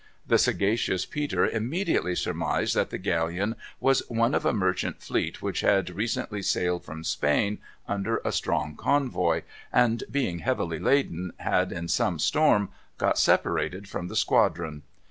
The sagacious Peter immediately surmised that the galleon was one of a merchant fleet which had recently sailed from Spain under a strong convoy, and being heavily laden, had, in some storm, got separated from the squadron.